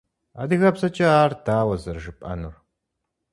Адыгэбзэкӏэ ар дауэ зэрыжыпӏэнур?